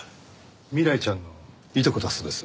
未来ちゃんのいとこだそうです。